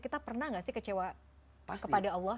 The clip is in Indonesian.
kita pernah nggak sih kecewa kepada allah